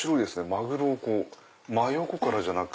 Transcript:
マグロを真横からじゃなく。